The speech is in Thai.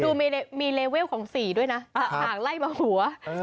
ดูมีเลเวลของ๔ด้วยนะห่างไล่มาหัว